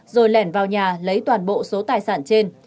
rồi lẻn vào nhà lấy toàn bộ số tài sản trên